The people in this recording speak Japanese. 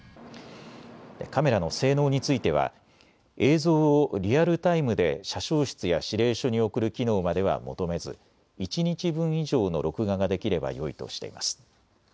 カメラの性能については映像をリアルタイムで車掌室や司令所に送る機能までは求めず１日分以上の録画ができればよいとしています。